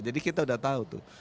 jadi kita udah tahu tuh